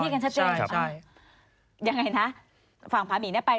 ยังไงนะฝั่งผาหมีได้ไป